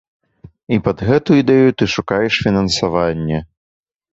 І пад гэтую ідэю ты шукаеш фінансаванне.